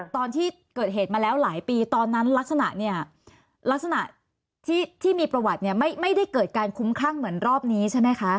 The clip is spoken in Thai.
ตอนที่เกิดเหตุมาแล้วหลายปีตอนนั้นลักษณะเนี่ยลักษณะที่มีประวัติเนี่ยไม่ได้เกิดการคุ้มคลั่งเหมือนรอบนี้ใช่ไหมคะ